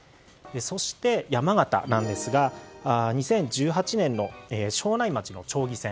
そして、山形なんですが２０１８年の庄内町の町議選